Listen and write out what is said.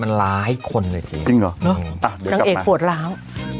มันล้ายคนเลยเทมด์จริงหรอมากอ่ะนางเอกปวดร้าว